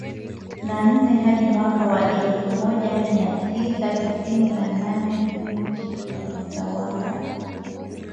na nne hadi mwaka elfu moja mia tisa tisini na nne chini ya utawala